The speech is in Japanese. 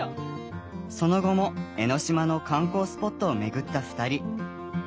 その後も江の島の観光スポットを巡った２人。